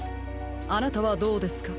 あなたはどうですか？